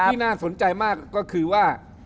ที่น่าสนใจมากก็คือว่า